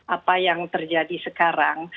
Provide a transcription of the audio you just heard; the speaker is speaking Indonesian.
apa yang terjadi sekarang